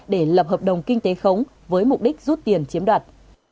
để lập hợp đồng kinh tế khống với mục đích rút tiền chiếm đoạt